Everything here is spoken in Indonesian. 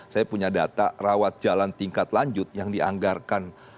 saya punya data rawat jalan tingkat lanjut yang dianggarkan